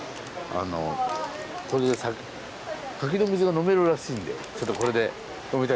滝の水が飲めるらしいんでちょっとこれで飲みたいと思います。